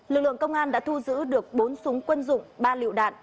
lực lượng công an đã thu giữ được bốn súng quân dụng ba lựu đạn